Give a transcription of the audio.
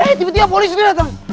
eh tiba tiba polisi datang